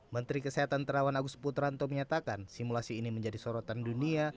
menteri kesehatan terawan agus putranto menyatakan simulasi ini menjadi sorotan dunia